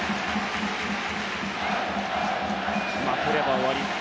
負ければ終わり。